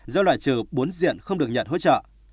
do loại trừ bốn diện không được nhận hỗ trợ